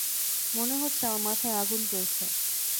মনে হচ্ছে আমার মাথায় আগুল জ্বলছে।